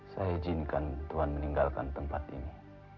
saya izinkan tuhan meninggalkan tempat ini